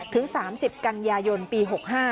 ถึง๓๐กันยายนปี๖๕